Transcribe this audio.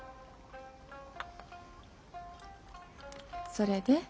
それで？